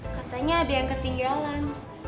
katanya ada yang ketinggalan